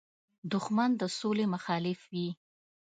دښمن د سولې مخالف وي